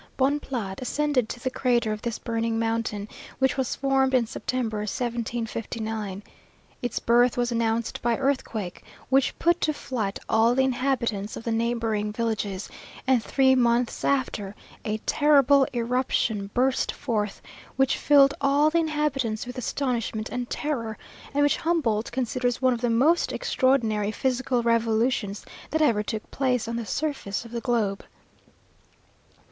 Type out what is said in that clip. Bonpland, ascended to the crater of this burning mountain, which was formed in September 1759. Its birth was announced by earthquakes, which put to flight all the inhabitants of the neighbouring villages; and three months after, a terrible eruption burst forth, which filled all the inhabitants with astonishment and terror, and which Humboldt considers one of the most extraordinary physical revolutions that ever took place on the surface of the globe.